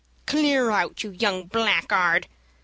"Clear out, you young blackguard!"